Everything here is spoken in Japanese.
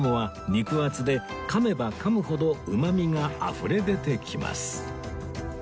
肉厚で噛めば噛むほどうまみがあふれ出てきます